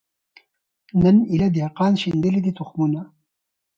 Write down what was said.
نن ایله دهقان شیندلي دي تخمونه